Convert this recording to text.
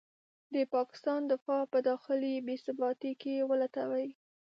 د پاکستان دفاع په داخلي بې ثباتۍ کې ولټوي.